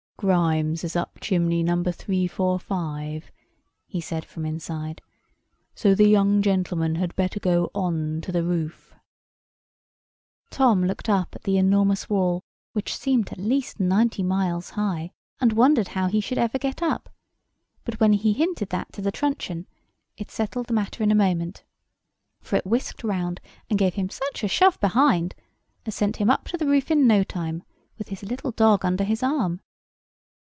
"Grimes is up chimney No. 345," he said from inside. "So the young gentleman had better go on to the roof." Tom looked up at the enormous wall, which seemed at least ninety miles high, and wondered how he should ever get up: but, when he hinted that to the truncheon, it settled the matter in a moment. For it whisked round, and gave him such a shove behind as sent him up to the roof in no time, with his little dog under his arm.